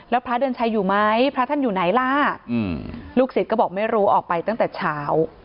แล้วพระเดือนชัยอยู่ไหมพระท่านอยู่ไหนล่ะลูกศิษย์ก็บอกไม่รู้ออกไปตั้งแต่เช้า